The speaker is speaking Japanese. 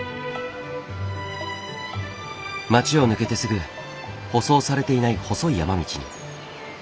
町を抜けてすぐ舗装されていない細い山道に。